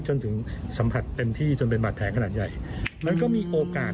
จนถึงสัมผัสเต็มที่จนเป็นบาดแผลขนาดใหญ่มันก็มีโอกาส